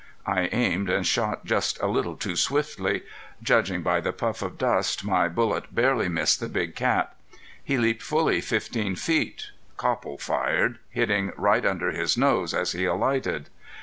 I aimed and shot just a little too swiftly. Judging by the puff of dust my bullet barely missed the big cat. He leaped fully fifteen feet. Copple fired, hitting right under his nose as he alighted.